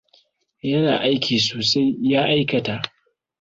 Yana aiki sosai. Ya aikata.